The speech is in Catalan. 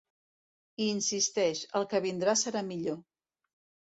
I insisteix: El que vindrà serà millor.